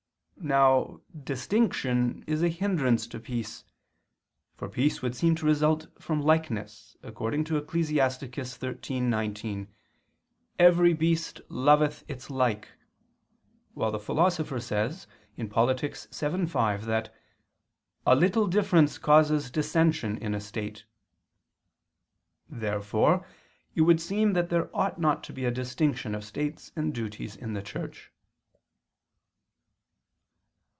Now distinction is a hindrance to peace, for peace would seem to result from likeness, according to Ecclus. 13:19, "Every beast loveth its like," while the Philosopher says (Polit. vii, 5) that "a little difference causes dissension in a state." Therefore it would seem that there ought not to be a distinction of states and duties in the Church.